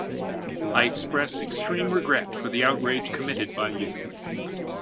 I express extreme regret for the outrage committed by you.